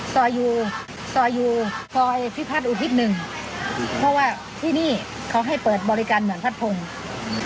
ซอยอยู่ซอยอยู่ซอยพิพัฒน์อุทิศหนึ่งเพราะว่าที่นี่เขาให้เปิดบริการเหมือนพัดพงศ์